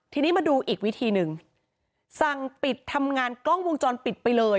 ทีนี้มาดูอีกวิธีหนึ่งสั่งปิดทำงานกล้องวงจรปิดไปเลย